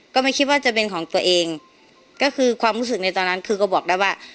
ก็ไม่คิดว่าจะเป็นของตัวเองก็คือความรู้สึกในตอนนั้นคือก็บอกได้ว่า